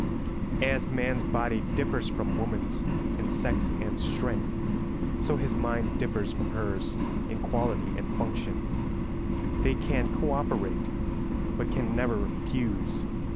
As man's body differs from woman's in sex and strength, so his mind differs from hers in quality and function: they can co operate but can never fuse.